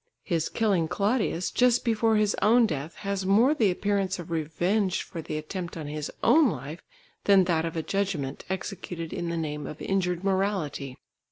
His killing Claudius just before his own death has more the appearance of revenge for the attempt on his own life, than that of a judgment executed in the name of injured morality."